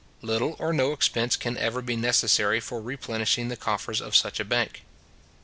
Little or no expense can ever be necessary for replenishing the coffers of such a bank.